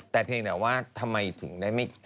แต่เพียงแต่ว่าทำไมถึงได้ไม่